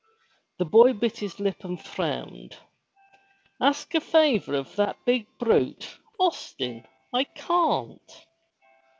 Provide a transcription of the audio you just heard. The boy bit his Up and frowned. Ask a favor of that big brute, Austin? I can't!''